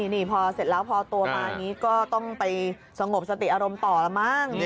นี่พอเก็บเอก้อตัวมาก็ต้องไปสงบสติอารมณ์ต่อละมั้ง